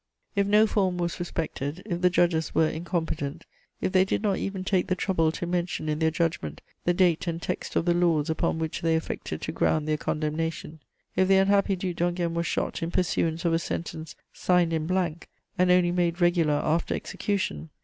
"If no form was respected; if the judges were incompetent; if they did not even take the trouble to mention in their judgment the date and text of the laws upon which they affected to ground their condemnation; if the unhappy Duc d'Enghien was shot in pursuance of a sentence signed in blank.... and only made regular after execution!